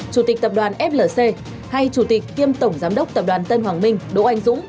chủ tịch tập đoàn flc hay chủ tịch kiêm tổng giám đốc tập đoàn tân hoàng minh đỗ anh dũng